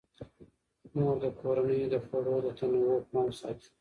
مور د کورنۍ د خوړو د تنوع پام ساتي.